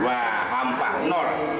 wah gampang nur